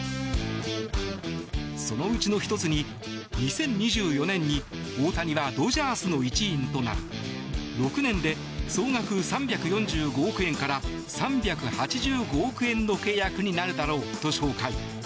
そのうちの１つに２０２４年に大谷はドジャースの一員となる６年で総額３４５億円から３８５億円の契約になるだろうと紹介。